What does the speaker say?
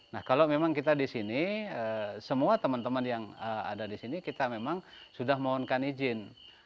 nah kalau memang kita di sini semua teman teman yang ada di sini kita memang sudah mohonkan izin